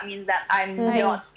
itu berarti saya tidak kuat